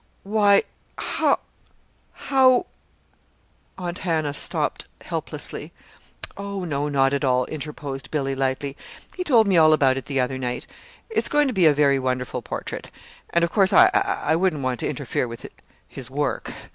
"Why, how how " Aunt Hannah stopped helplessly. "Oh, no, not at all," interposed Billy, lightly. "He told me all about it the other night. It's going to be a very wonderful portrait; and, of course, I wouldn't want to interfere with his work!"